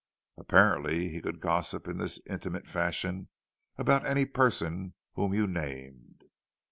Apparently he could gossip in this intimate fashion about any person whom you named.